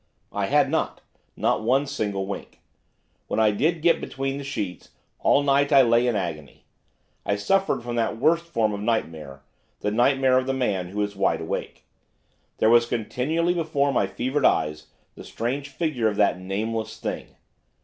I had not, not one single wink. When I did get between the sheets, 'all night I lay in agony,' I suffered from that worst form of nightmare, the nightmare of the man who is wide awake. There was continually before my fevered eyes the strange figure of that Nameless Thing.